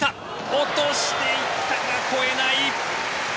落としていったが越えない。